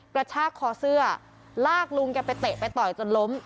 กระชากคอเสื้อลากลุงแกไปเตะไปต่อยจนล้ม